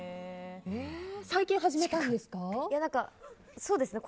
最近、始めたんですか？